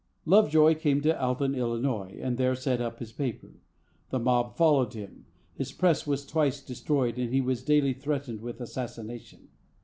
Lovejoy came to Alton, Illinois, and there set up his paper. The mob followed him. His press was twice destroyed, and he was daily threatened with assassination.